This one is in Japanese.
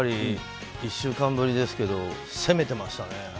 １週間ぶりですけど攻めてましたね。